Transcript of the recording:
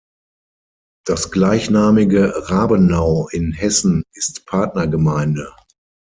Das gleichnamige Rabenau in Hessen ist Partnergemeinde.